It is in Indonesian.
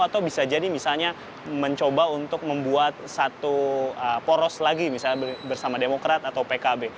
atau bisa jadi misalnya mencoba untuk membuat satu poros lagi misalnya bersama demokrat atau pkb